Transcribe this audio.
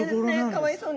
かわいそうに。